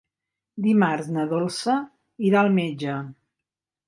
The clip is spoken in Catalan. Dimarts na Dolça irà al metge.